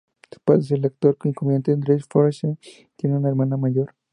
Su padre es el actor y comediante Drew Forsythe, tiene una hermana mayor.